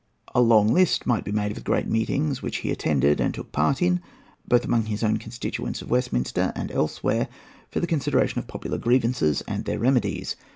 A long list might be made of the great meetings which he attended, and took part in, both among his own constituents of Westminster and elsewhere, for the consideration of popular grievances and their remedies.